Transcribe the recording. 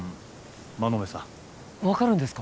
馬目さん分かるんですか？